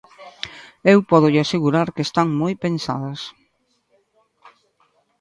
Eu pódolle asegurar que están moi pensadas.